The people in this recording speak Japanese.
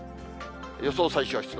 予想最小湿度。